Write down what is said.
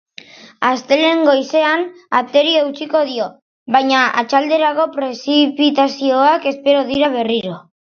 Astelehen goizean, ateri eutsiko dio, baina arratsalderako prezipitazioak espero dira berriro.